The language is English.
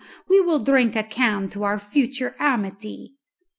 We will drink a can to our future amity!"